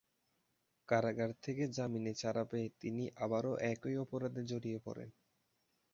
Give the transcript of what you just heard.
কারাগার থেকে জামিনে ছাড়া পেয়ে তিনি আবারও একই অপরাধে জড়িয়ে পড়েন।